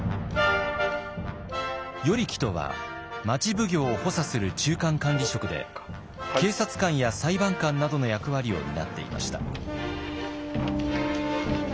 与力とは町奉行を補佐する中間管理職で警察官や裁判官などの役割を担っていました。